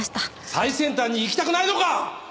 最先端に行きたくないのか！？